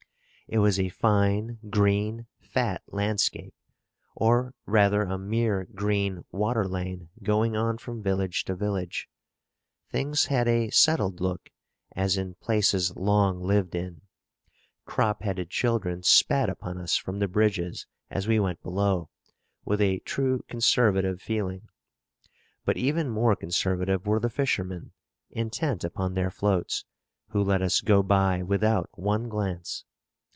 It was a fine, green, fat landscape; or rather a mere green water lane, going on from village to village. Things had a settled look, as in places long lived in. Crop headed children spat upon us from the bridges as we went below, with a true conservative feeling. But even more conservative were the fishermen, intent upon their floats, who let us go by without one glance.